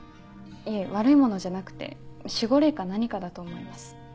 いえ悪いものじゃなくて守護霊か何かだと思います。